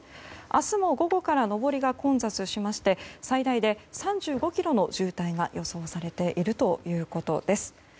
明日も午後から上りが混雑しまして最大で３５ｋｍの渋滞が予想されているということです。